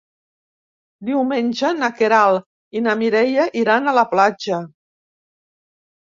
Diumenge na Queralt i na Mireia iran a la platja.